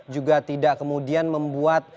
juga tidak kemudian membuat